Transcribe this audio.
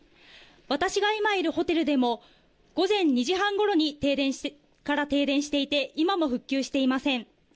私が今いるホテルでも午前２時半ごろから停電していて今も復旧していません。